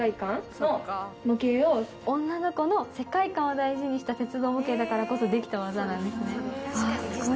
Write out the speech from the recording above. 女の子の世界観を大事にした鉄道模型だからこそできた技なんですね。